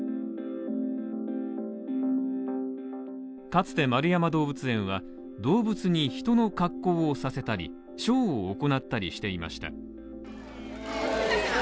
かつて円山動物園は動物に人の格好をさせたりショーを行ったりしていました。